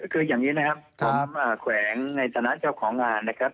คืออย่างนี้นะครับผมแขวงในฐานะเจ้าของงานนะครับ